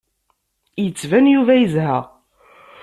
Yettban Yuba yezha.